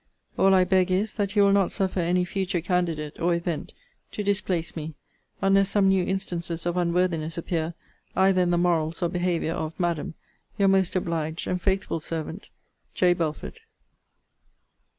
All I beg is, that you will not suffer any future candidate, or event, to displace me; unless some new instances of unworthiness appear either in the morals or behaviour of, Madam, Your most obliged and faithful servant, J. BELFORD.